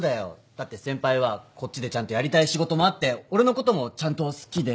だって先輩はこっちでちゃんとやりたい仕事もあって俺のこともちゃんと好きで。